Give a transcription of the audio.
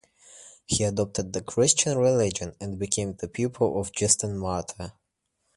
He adopted the Christian religion and became the pupil of Justin Martyr.